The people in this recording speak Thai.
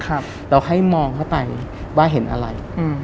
เราให้มองเข้าไปว่าเห็นอะไร